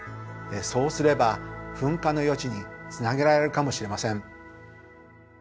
そうすれば噴火の予知につなげられるかもしれません。